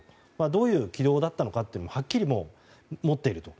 どういう起動だったのかをはっきり持っていると。